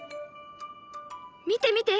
見て見て！